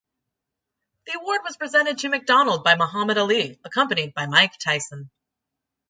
The award was presented to McDonald by Muhammad Ali accompanied by Mike Tyson.